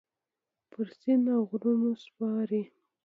پر سیند اوغرونو سپارې